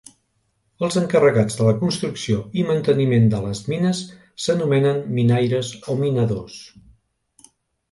Els encarregats de la construcció i manteniment de les mines s'anomenen minaires o minadors.